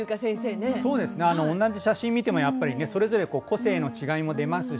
同じ写真見てもやっぱりねそれぞれ個性の違いも出ますし